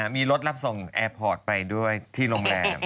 มีรถรับส่งแอร์พอร์ตไปด้วยที่โรงแรม